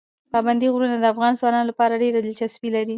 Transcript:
پابندي غرونه د افغان ځوانانو لپاره ډېره دلچسپي لري.